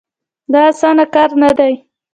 دا اسانه کار نه دی.